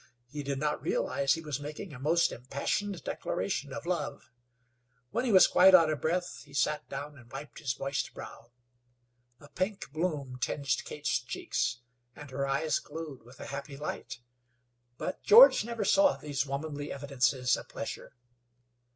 He did not realize he was making a most impassioned declaration of love. When he was quite out of breath he sat down and wiped his moist brow. A pink bloom tinged Kate's cheeks, and her eyes glowed with a happy light; but George never saw these womanly evidences of pleasure.